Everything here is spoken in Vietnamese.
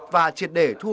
và triệt để thu hút